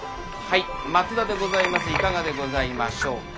いかがでございましょうか。